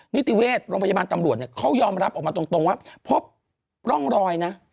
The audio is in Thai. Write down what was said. นิติเวชโรงพยาบาลตำรวจเนี่ยเขายอมรับออกมาตรงว่าพบร่องรอยนะ